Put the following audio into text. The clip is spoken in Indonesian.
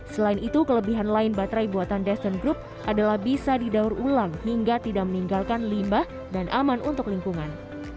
selain itu kelebihan lain baterai buatan deston group adalah bisa didaur ulang hingga tidak meninggalkan limbah dan aman untuk lingkungan